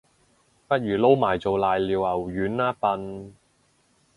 不如撈埋做瀨尿牛丸吖笨